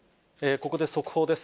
ここで速報です。